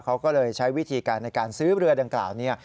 เขาก็เลยใช้วิธีการในการซื้อเรือดังกล่าวนี้